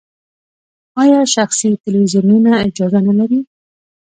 آیا شخصي تلویزیونونه اجازه نلري؟